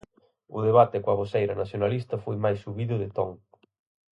O debate coa voceira nacionalista foi máis subido de ton.